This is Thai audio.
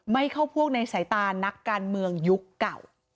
ไม่เข้าพวกในสายตานักการเมืองยุคเก่า